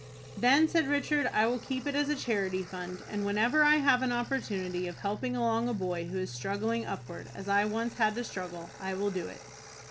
"Then," said Richard, "I will keep it as a charity fund, and whenever I have an opportunity of helping along a boy who is struggling upward as I once had to struggle, I will do it."